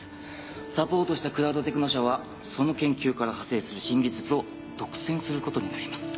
サポートしたクラウドテクノ社はその研究から派生する新技術を独占することになります。